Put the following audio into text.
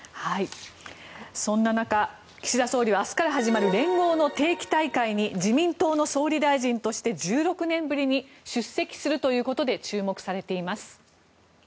そんな中、岸田総理は明日から始まる連合の定期大会に自民党の総理大臣として１６年ぶりに出席するということで注目されています。